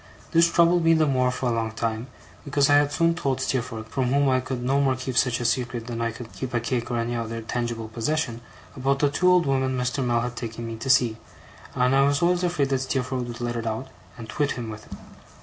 This troubled me the more for a long time, because I had soon told Steerforth, from whom I could no more keep such a secret, than I could keep a cake or any other tangible possession, about the two old women Mr. Mell had taken me to see; and I was always afraid that Steerforth would let it out, and twit him with it.